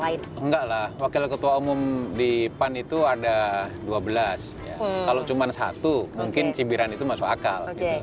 enggak lah wakil ketua umum di pan itu ada dua belas kalau cuma satu mungkin cibiran itu masuk akal